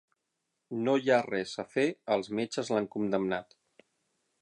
No hi ha res a fer, els metges l'han condemnat.